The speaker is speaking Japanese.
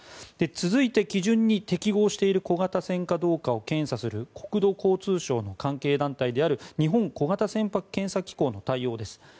続いて、基準に適合している小型船かどうかを検査する国土交通省の関係団体である日本小型船舶検査機構の対応です。